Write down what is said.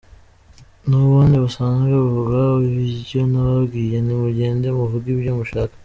N’ubundi musanzwe muvuga ibyo ntababwiye nimugende muvuge ibyo mushaka.